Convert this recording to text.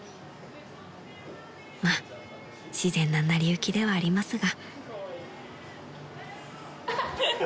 ［まあ自然な成り行きではありますが］